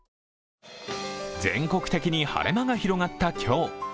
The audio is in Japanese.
全国的に晴れ間が広がった今日。